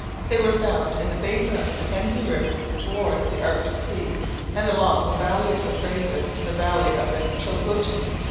They were found in the basin of the Mackenzie river towards the Arctic sea, and along the valley of the Fraser to the valley of the Chilcotin.